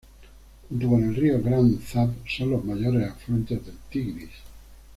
Junto con el río Gran Zab, son los mayores afluentes del Tigris.